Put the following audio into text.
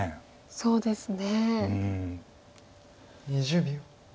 そうですね。